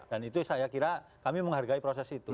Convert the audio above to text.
dan itu saya kira kami menghargai proses itu